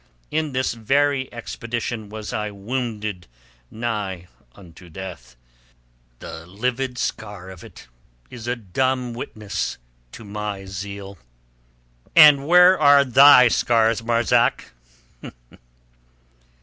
In this very expedition was I wounded nigh unto death. The livid scar of it is a dumb witness to my zeal. Where are thy scars, Marzak?"